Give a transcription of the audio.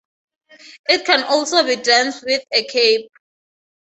It can also be danced with a cape.